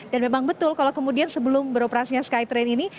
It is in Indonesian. dan memang betul kalau kemudian sebelum beroperasinya skytrain ini